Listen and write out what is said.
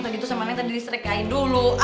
tadi itu sama neng tadi di strikin dulu